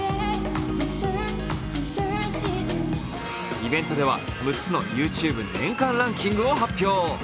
イベントでは６つのＹｏｕＴｕｂｅ年間ランキングを発表。